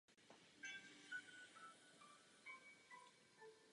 Nachází se přímo pod Historickou jeskyní.